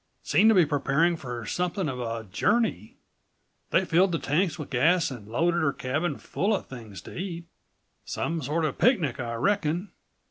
Seemed to be preparing for somethin' of a journey; they filled the tanks with gas and loaded her cabin full of things to eat. Some sort of a picnic, I reckon.